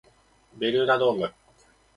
ベルーナドーム